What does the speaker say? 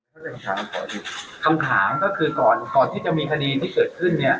คำถามก็คือตอนที่จะมีคณีที่เกิดขึ้นเนี่ย